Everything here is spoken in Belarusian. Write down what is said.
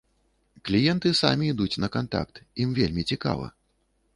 Кліенты самі ідуць на кантакт, ім вельмі цікава.